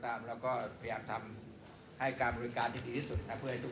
เพราะฉะนั้นโรงกำไรอะไรไม่ถูกเลยมันไม่สามารถที่จะทำได้ได้เลย